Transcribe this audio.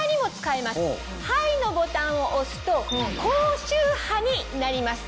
ＨＩＧＨのボタンを押すと高周波になります。